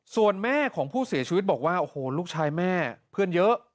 ส่วนแม่ของผู้เสียชีวิตบอกว่าโอ้โหลูกชายแม่เพื่อนเยอะ